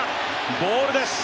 ボールです。